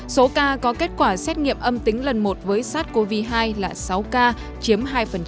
số ca có kết quả xét nghiệm âm tính lần một với sars cov hai là sáu ca chiếm hai